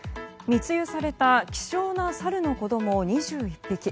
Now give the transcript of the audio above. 密輸された希少のサルの子供２１匹。